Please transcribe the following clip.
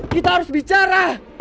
kita harus bicara